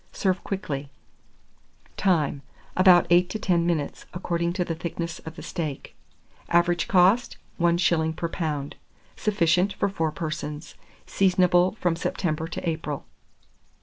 Serve quickly. Time. About 8 to 10 minutes, according to the thickness of the steak. Average cost, 1s. per lb. Sufficient for 4 persons. Seasonable from September to April.